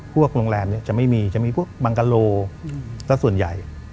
พวกโรงแรมจะไม่มีจะมีพวกบังกะโลสักส่วนใหญ่